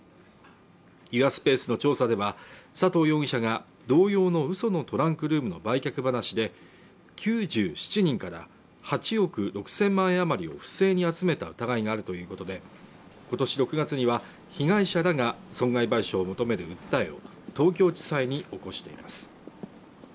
ユアスペースの調査では、佐藤容疑者が同様の嘘のトランクルームの売却話で、９７人から８億６０００万円あまりを不正に集めた疑いがあるということで、今年６月には、被害者が損害賠償を求める訴えを東京地裁に起こしています。